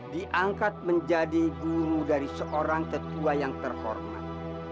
diangkat menjadi guru dari seorang tetua yang terhormat